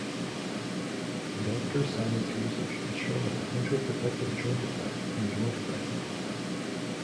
Doctor Cymet's research has shown a potential protective joint effect from joint cracking.